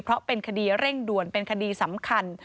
เพราะเป็นคดีเร่งด่วนเป็นคดีสำคัญ